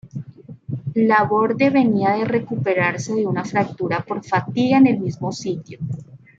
Laborde venía de recuperarse de una fractura por fatiga en el mismo sitio.